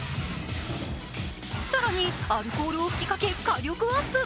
更にアルコールを吹きかけ火力アップ。